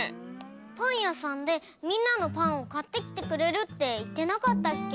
パンやさんでみんなのパンをかってきてくれるっていってなかったっけ？